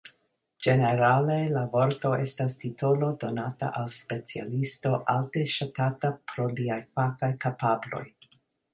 Ĝenerale la vorto estas titolo donata al specialisto alte ŝatata pro liaj fakaj kapabloj.